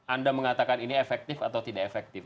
anda mengatakan ini efektif atau tidak efektif